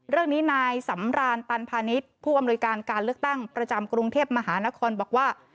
เรื่องนี้นายสำรานตันพาณิชย์ผู้อำนวยการการเลือกตั้งประจำกรุงเทพมหานครบอกว่า